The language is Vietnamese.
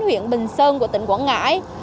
huyện bình sơn của tỉnh quảng ngãi